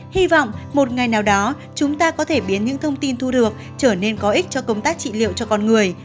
hy vọng một ngày nào đó chúng ta có thể biến những thông tin thu được trở nên có ích cho công tác trị liệu cho con người